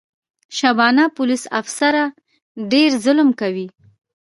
شبانه پولیس افیسره ډېر ظلم کوي.